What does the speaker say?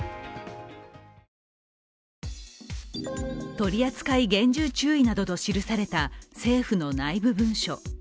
取扱厳重注意などと記された政府の内部文書。